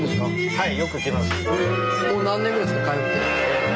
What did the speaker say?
はい。